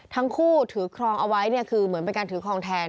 ทั้งคู่ถือครองเอาไว้เนี่ยคือเหมือนเป็นการถือครองแทน